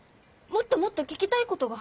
もっともっと聞きたいことが。